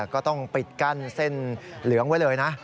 ก็ต้องปิดกั้นเส้นเหลืองไว้เลยนะ